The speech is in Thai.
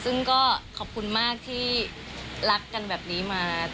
ซึ่งก็ขอบคุณมากที่รักกันแบบนี้มา